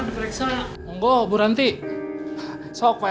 seperonset aja ngilang paki